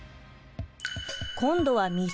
今度は水。